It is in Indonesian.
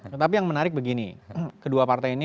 tetapi yang menarik begini kedua partai ini